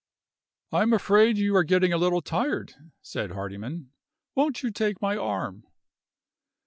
"I am afraid you are getting a little tired," said Hardyman. "Won't you take my arm?"